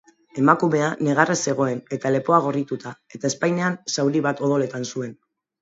Emakumea negarrez zegoen eta lepoa gorrituta eta ezpainean zauri bat odoletan zuen.